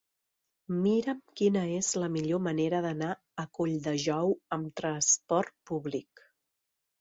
Mira'm quina és la millor manera d'anar a Colldejou amb trasport públic.